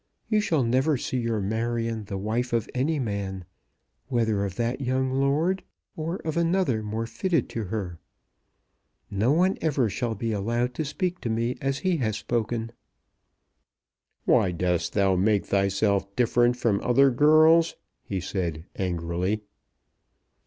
You shall never see your Marion the wife of any man, whether of that young lord or of another more fitted to her. No one ever shall be allowed to speak to me as he has spoken." "Why dost thou make thyself different from other girls?" he said, angrily.